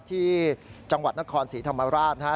ที่จังหวัดนครศรีธรรมราชนะฮะ